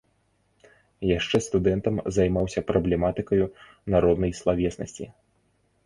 Яшчэ студэнтам займаўся праблематыкаю народнай славеснасці.